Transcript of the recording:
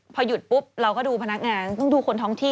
พอหยุดปุ๊บเราก็ดูพนักงานต้องดูคนท้องที่